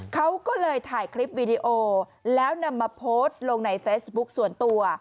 เขาก็เลยถ่ายคลิปวีดีโอแล้วนำมาโพสต์ลงในเฟซบุ๊คส่วนตัว